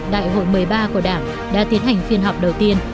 đại hội một mươi ba của đảng đã tiến hành phiên họp đầu tiên